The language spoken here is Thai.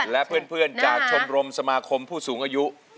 และเพื่อนจากชมรมสมาคมผู้สูงอายุ